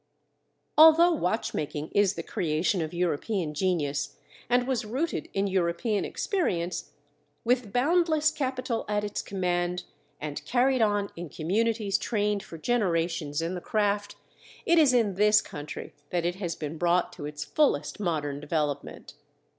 Although watch making is the creation of European genius and was rooted in European experience, with boundless capital at its command and carried on in communities trained for generations in the craft, it is in this country that it has been brought to its fullest modern development.